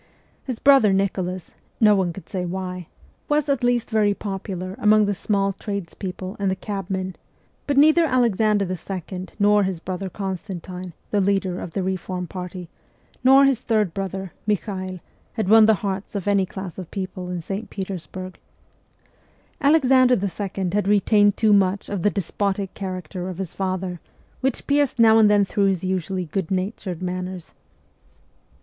His brother Nicholas no one could say why was at least very popular among the small trades people and the cabmen ; but neither Alexander II., nor his brother Constantine, the leader of the reform party, nor his third brother, Michael, had won the hearts of any class of people in St. Petersburg. Alexander II. had retained too much of the despotic character of his father, which pierced now and then through his usually good natured manners.